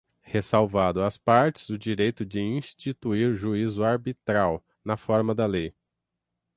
ressalvado às partes o direito de instituir juízo arbitral, na forma da lei.